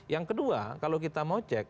yang kedua kalau kita mau cek